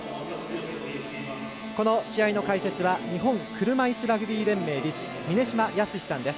この試合の解説は日本車いすラグビー連盟理事の峰島靖さんです。